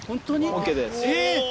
ＯＫです。